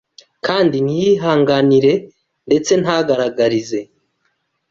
kandi ntiyihanganire ndetse ntagaragarize